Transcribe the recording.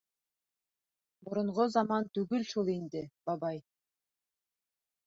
— Боронғо заман түгел шул инде, бабай.